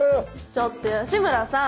ちょっと吉村さん